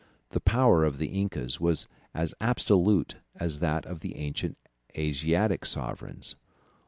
The power of the incas was as absolute as that of the ancient Asiatic sovereigns.